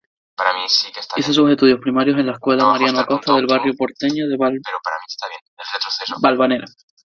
Hizo sus estudios primarios en la Escuela Mariano Acosta del barrio porteño de Balvanera.